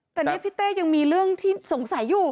แต่นี่พี่เต้ยังมีเรื่องที่สงสัยอยู่